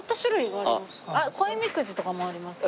あっ恋みくじとかもありますね。